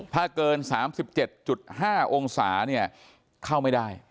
ถ้าเกิน๓๗๕องศาเนี่ยเข้าไม่ได้